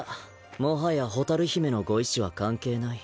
もはや蛍姫のご意思は関係ない。